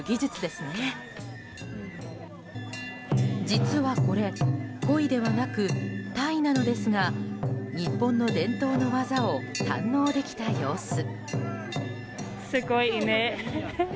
実はこれ、コイではなくタイなのですが日本の伝統の技を堪能できた様子。